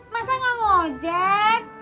masa gak mau ojek